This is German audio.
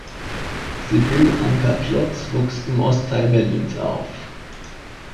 Sibyll-Anka Klotz wuchs im Ostteil Berlins auf.